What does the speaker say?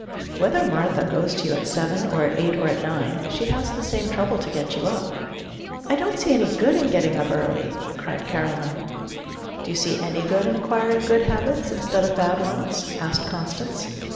"Whether Martha goes to you at seven, or at eight, or at nine, she has the same trouble to get you up." "I don't see any good in getting up early," cried Caroline. "Do you see any good in acquiring good habits, instead of bad ones?" asked Constance.